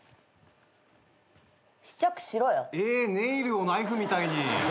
えっネイルをナイフみたいに。